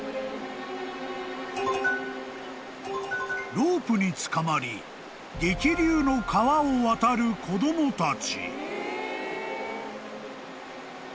［ロープにつかまり激流の川を渡る子供たち］